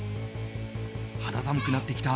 肌寒くなってきた